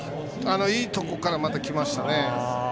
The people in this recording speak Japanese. いいところからまた来ましたね。